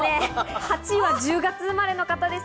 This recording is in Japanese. ８位は１０月生まれの方です。